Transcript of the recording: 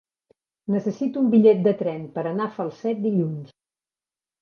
Necessito un bitllet de tren per anar a Falset dilluns.